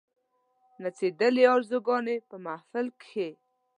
نڅېدلې آرزوګاني په محفل کښي